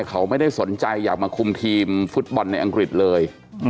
เขาไม่ได้สนใจอยากมาคุมทีมฟุตบอลในอังกฤษเลย